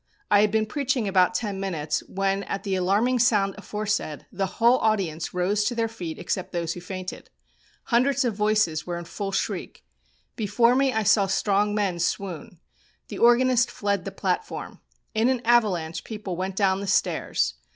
I had been preaching about ten minutes when at the alarming sound aforesaid, the whole audience rose to their feet except those who fainted. Hundreds of voices were in full shriek. Before me I saw strong men swoon. The organist fled the platform. In an avalanche people went down the stairs.